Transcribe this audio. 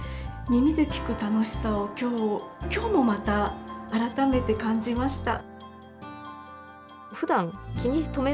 耳で聴く楽しさを今日もまた改めて感じました。